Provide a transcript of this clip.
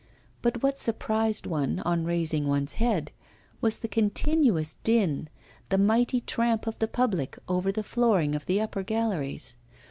But what surprised one, on raising one's head, was the continuous din, the mighty tramp of the public over the flooring of the upper galleries.